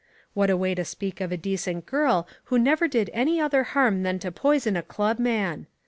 What a way to speak of a decent girl who never did any other harm than to poison a club man.